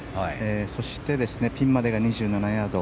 そして、ピンまで２７ヤード。